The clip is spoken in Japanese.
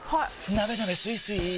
なべなべスイスイ